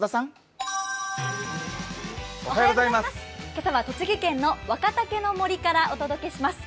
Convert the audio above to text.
今朝は栃木県の若竹の杜からお届けします。